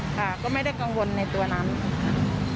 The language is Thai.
ค่ะก็ไม่ได้กังวลในตัวนั้นค่ะ